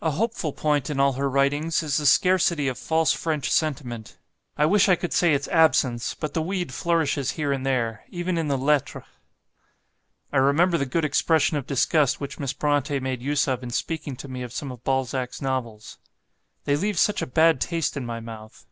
A hopeful point in all her writings is the scarcity of false French sentiment; I wish I could say its absence; but the weed flourishes here and there, even in the 'Lettres.'" I remember the good expression of disgust which Miss Brontë made use of in speaking to me of some of Balzac's novels: "They leave such a bad taste in my mouth."